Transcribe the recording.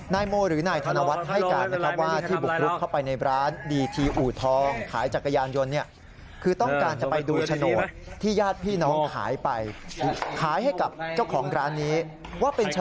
นายโมหรือนายธนวัตรให้การว่า